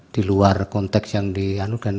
di luar konteks yang dianukan